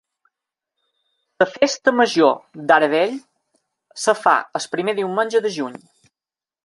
La festa major d'Aravell es fa el primer diumenge de juny.